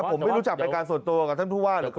ผมไม่รู้จักบริการส่วนตัวกับท่านทุ่ว่าหรือใครนะ